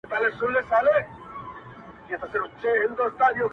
د دوى څه هيڅــكـلــــه گـيــلــــه نــــه كــــــوم-